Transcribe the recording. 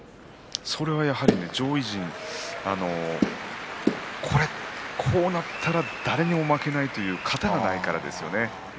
それはね、やはり上位陣がこうなったら誰にも負けないという型がないからですよね。